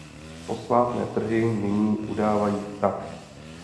Posvátné trhy nyní udávají takt.